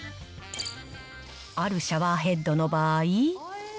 あるシャワーヘッドの場合。